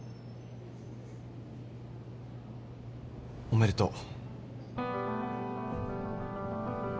おめでとう。